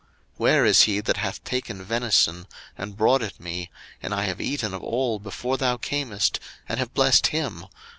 where is he that hath taken venison, and brought it me, and I have eaten of all before thou camest, and have blessed him?